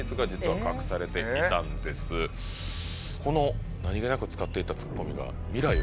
この何げなく使っていたツッコミが。